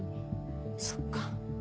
そっか。